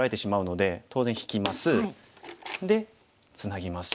でツナぎます。